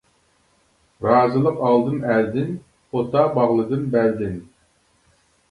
رازىلىق ئالدىم ئەلدىن، پوتا باغلىدىم بەلدىن.